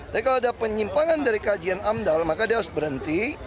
jadi kalau ada penyimpangan dari kajian amdal maka dia harus berhenti